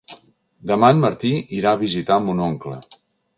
Demà en Martí irà a visitar mon oncle.